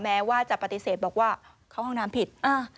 แม้ว่าจะปฏิเสธบอกว่าเข้าห้องน้ำผิด